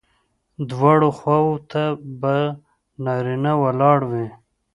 دواړو خواوو ته به نارینه ولاړ وي.